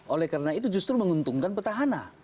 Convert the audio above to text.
oleh karena itu justru menguntungkan petahana